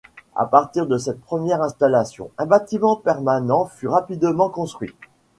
À partir de cette première installation, un bâtiment permanent fut rapidement construit.